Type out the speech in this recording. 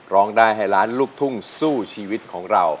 ร้องได้ให้ล้านลูกทุ่งสู้ชีวิตของเรา